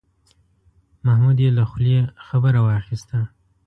محمود یې له خولې خبره واخیسته.